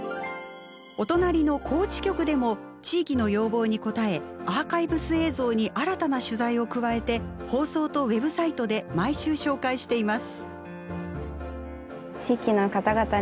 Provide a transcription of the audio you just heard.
お隣の高知局でも地域の要望に応えアーカイブス映像に新たな取材を加えて放送とウェブサイトで毎週紹介しています。